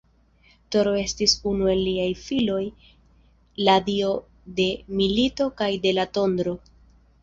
Toro estis unu el liaj filoj, la dio de milito kaj de la tondro.